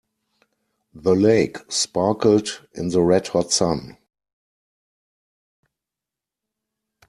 The lake sparkled in the red hot sun.